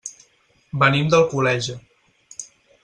Venim d'Alcoleja.